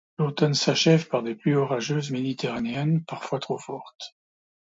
L'automne s'achève par des pluies orageuses méditerranéennes parfois trop fortes.